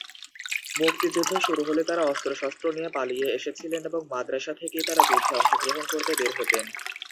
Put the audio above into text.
মুক্তিযুদ্ধ শুরু হলে তারা অস্ত্রশস্ত্র নিয়ে পালিয়ে এসেছিলেন এবং মাদ্রাসা থেকেই তারা যুদ্ধে অংশগ্রহণ করতে বের হতেন।